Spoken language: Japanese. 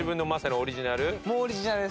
オリジナルです。